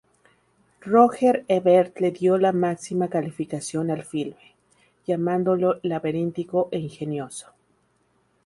Roger Ebert le dio la máxima calificación al filme, llamándolo "laberíntico e ingenioso".